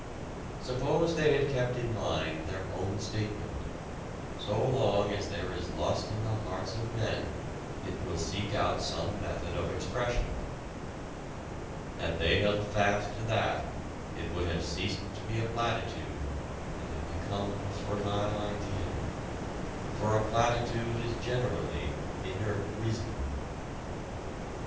Suppose they had kept in mind their own statement: "so long as there is lust in the hearts of men it will seek out some method of expression." Had they held fast to that, it would have ceased to be a platitude and have become a fertile idea. For a platitude is generally inert wisdom.